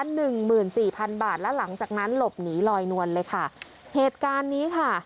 หนึ่งหมื่นสี่พันบาทแล้วหลังจากนั้นหลบหนีลอยนวลเลยค่ะเหตุการณ์นี้ค่ะ